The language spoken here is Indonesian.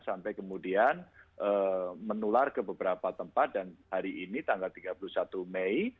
sampai kemudian menular ke beberapa tempat dan hari ini tanggal tiga puluh satu mei